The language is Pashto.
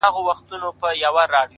لوړ لیدلوری افقونه پراخوي